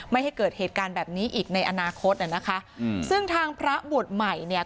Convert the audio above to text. ไม่ให้เกิดเหตุการณ์แบบนี้อีกในอนาคตอ่ะนะคะอืมซึ่งทางพระบวชใหม่เนี่ย